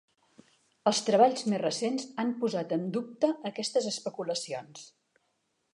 Els treballs més recents han posat en dubte aquestes especulacions.